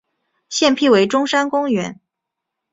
现辟为中山公园。